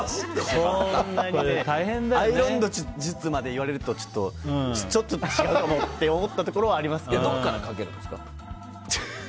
アイロン術まで言われるとちょっとって思ったところはどこからかけるんですか？